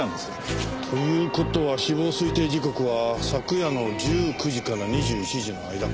という事は死亡推定時刻は昨夜の１９時から２１時の間か。